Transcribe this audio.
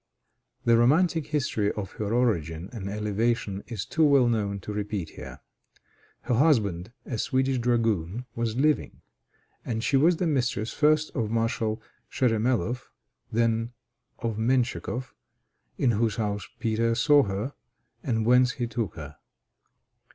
The romantic history of her origin and elevation is too well known to repeat here. Her husband, a Swedish dragoon, was living; and she was the mistress first of Marshal Sheremeloff, then of Mentchikoff, in whose house Peter saw her, and whence he took her.